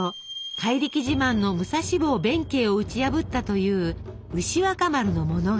怪力自慢の武蔵坊弁慶を打ち破ったという牛若丸の物語。